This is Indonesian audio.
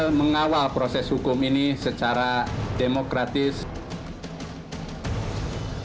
dan mengawal proses hukum ini secara demokratis